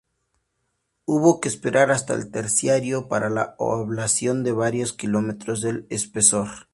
Hubo que esperar hasta el Terciario para la ablación de varios kilómetros del espesor.